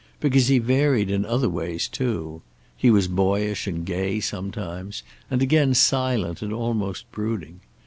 Because he varied in other ways, too. He was boyish and gay sometimes, and again silent and almost brooding.